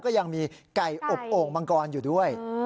ก็ยังมีไก่อบโอ่งมังกรอยู่ด้วย